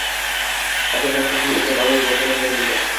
Haqiqatan ham, oʻta gʻaroyib voqealar sodir boʻldi.